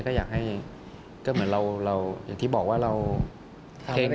ก็อยากให้ก็เหมือนเราอย่างที่บอกว่าเรา